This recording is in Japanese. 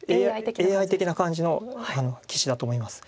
ＡＩ的な感じの棋士だと思います。